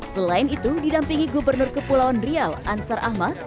selain itu didampingi gubernur kepulauan riau ansar ahmad